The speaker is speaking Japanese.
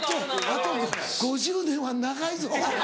あと５０年は長いぞ。